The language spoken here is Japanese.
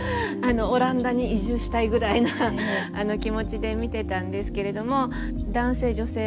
オランダに移住したいぐらいな気持ちで見てたんですけれども男性女性